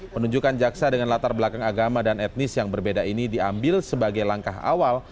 penunjukan jaksa dengan latar belakang agama dan etnis yang berbeda ini diambil sebagai langkah awal